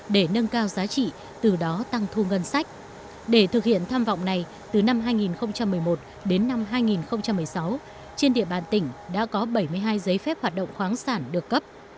để thực hiện tham vọng này từ năm hai nghìn một mươi một đến năm hai nghìn một mươi sáu trên địa bàn tỉnh đã có bảy mươi hai giấy phép hoạt động khoáng sản được cấp